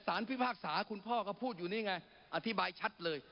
พิพากษาคุณพ่อก็พูดอยู่นี่ไงอธิบายชัดเลย